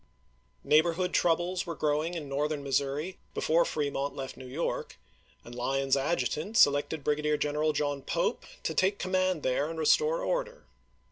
Neighborhood troubles were growing in northern Missouri before Fremont left New York; and Lyon's adjutant selected Brigadier General John Pope to take com mand there and restore order.